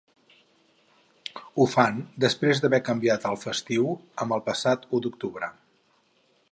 Ho fan després d’haver canviat el festiu amb el passat u d’octubre.